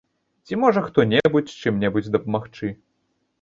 Ці можа хто небудзь чым-небудзь дапамагчы?